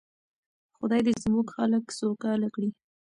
خدای دې زموږ خلک سوکاله کړي.